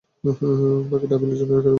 বাকিটা আপিলের জন্য রেখে দেবো।